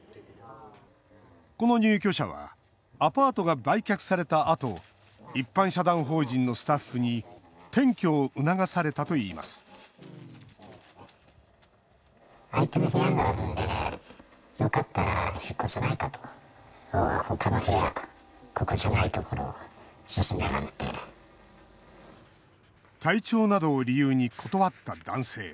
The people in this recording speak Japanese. この入居者はアパートが売却されたあと一般社団法人のスタッフに転居を促されたといいます体調などを理由に断った男性。